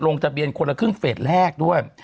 ลงทะเบียนคนละครึ่งเฟสแรกด้วย